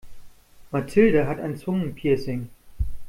Mathilde hat ein Zungenpiercing.